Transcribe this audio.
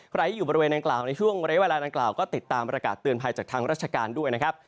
ใครอยู่บริเวณนางกล่าวในช่วงระยะเวลาดังกล่าวก็ติดตามประกาศเตือนภัยจากทางราชการด้วยนะครับ